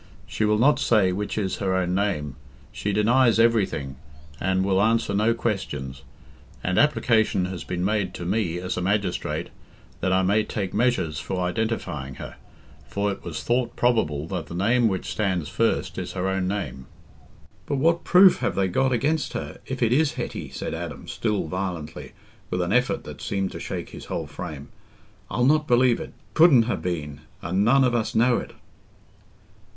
She will not say which is her own name—she denies everything, and will answer no questions, and application has been made to me, as a magistrate, that I may take measures for identifying her, for it was thought probable that the name which stands first is her own name." "But what proof have they got against her, if it is Hetty?" said Adam, still violently, with an effort that seemed to shake his whole frame. "I'll not believe it. It couldn't ha' been, and none of us know it."